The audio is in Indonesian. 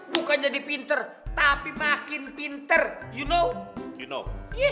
bukan jadi pinter tapi makin pinter you know you know